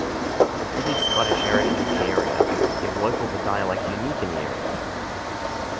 Heavy Scottish heritage in the area give locals a dialect unique in the area.